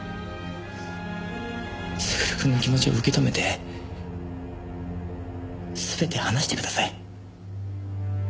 優くんの気持ちを受け止めて全て話してください。